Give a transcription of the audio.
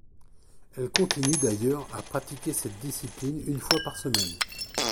Elle continue d'ailleurs à pratiquer cette discipline une fois par semaine.